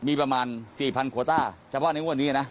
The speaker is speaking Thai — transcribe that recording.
มีประมาณ๔๐๐โควต้าเฉพาะในงวดนี้นะ